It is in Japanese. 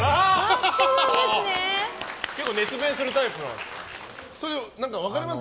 結構、熱弁するタイプですか。